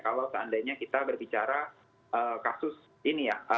kalau seandainya kita berbicara kasus ini ya